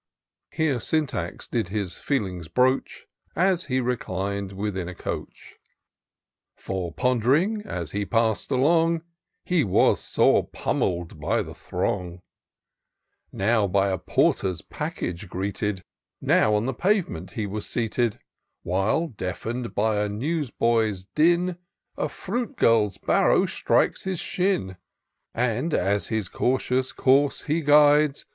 Thus Syntax did his feelings broach. As he reclin*d within a coach ; For, pond'ring as he pass'd along. He was sore pummell'd by the throng : Now by a porter's package greeted, Now on the pavement he was seated ; While, deafen'd by a news boy's din, A fiTdt girl's barrow strikes his shin ; And as his cautious course he guides.